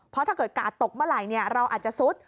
เพราะถ้าเกิดกาดตกเมื่อไหร่เราอาจจะซุด